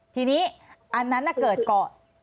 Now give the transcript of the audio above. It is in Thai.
ทีนี้อันนั้นเกิดก่อน